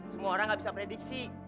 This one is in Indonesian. semua orang nggak bisa prediksi